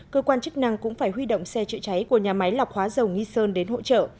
cơ quan chức năng cũng phải huy động xe chữa cháy của nhà máy lọc hóa dầu nghi sơn đến hỗ trợ